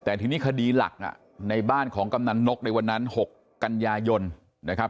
แต่ทีนี้คดีหลักในบ้านของกำนันนกในวันนั้น๖กันยายนนะครับ